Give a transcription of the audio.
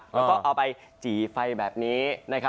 แล้วก็เอาไปจี่ไฟแบบนี้